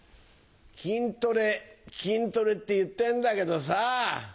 筋トレ筋トレって言ってんだけどさぁ。